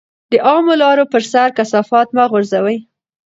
د عامه لارو پر سر کثافات مه غورځوئ.